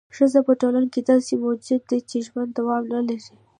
ښځه په ټولنه کې داسې موجود دی چې ژوند دوام نه لري.